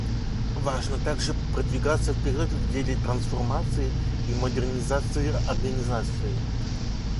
Важно также продвигаться вперед в деле трансформации и модернизации Организации.